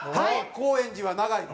高円寺は長いの？